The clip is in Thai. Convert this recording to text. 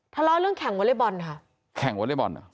ทะเลาะเรื่องแข่งวอเล็กบอลค่ะแข่งวอเล็กบอลเหรอ